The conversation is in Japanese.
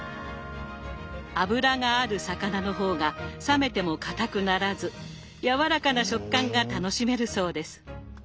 脂がある魚の方が冷めてもかたくならずやわらかな食感が楽しめるそうです。